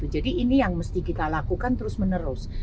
jadi ini yang mesti kita lakukan terus menerus